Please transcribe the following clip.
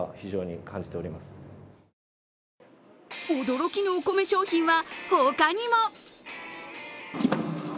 驚きのお米商品は他にも。